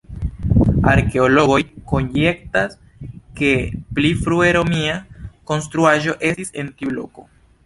Arkeologoj konjektas, ke pli frue romia konstruaĵo estis en tiu loko.